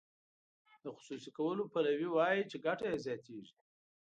د خصوصي کولو پلوي وایي چې ګټه یې زیاتیږي.